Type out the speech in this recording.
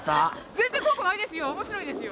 全然怖くないですよ